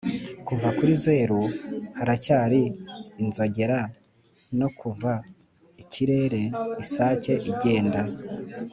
kuva kuri zeru, haracyari inzogera; no kuva ikirere-isake igenda